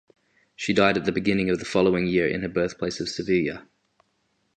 She died at the beginning of the following year in her birthplace of Sevilla.